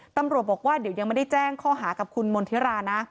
ตำรวจบอกว่าเดี๋ยวยังไม่ได้แจ้งข้อหากับคุณมณฑิรานะ